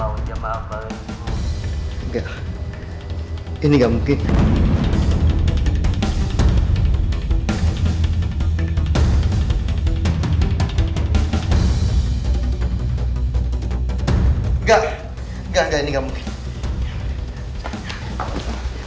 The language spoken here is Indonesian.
enggak enggak enggak ini gak mungkin